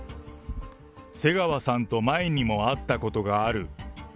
瀬川さんと前にも会ったことがある。